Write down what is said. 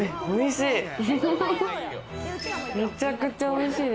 おいしい！